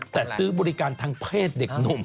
แต่ซื้อบริการทางเพศเด็กหนุ่ม